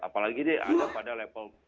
apalagi dia ada pada level